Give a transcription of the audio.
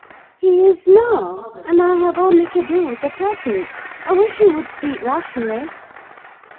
"He is now; and I have only to do with the present. I wish you would speak rationally."